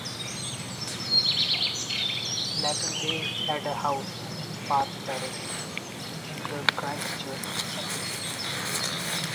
Later, they had a house in Park Terrace in the Christchurch Central City.